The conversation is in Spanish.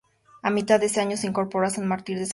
A mitad de ese año se incorporó a San Martín de San Juan.